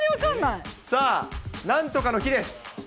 さあ、なんとかの日です。